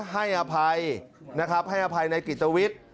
ให้อภัยนะครับให้อภัยในกิจวิทย์